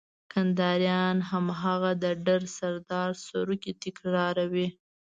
کنداريان هماغه د ډر سردار سروکی تکراروي.